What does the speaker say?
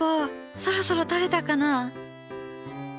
そろそろ垂れたかな。